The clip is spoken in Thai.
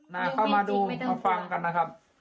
เข้ามาดูมาฟังกันนะครับ